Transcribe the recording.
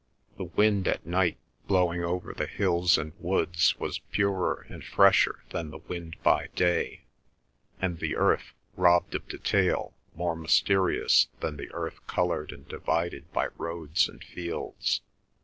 The wind at night blowing over the hills and woods was purer and fresher than the wind by day, and the earth, robbed of detail, more mysterious than the earth coloured and divided by roads and fields.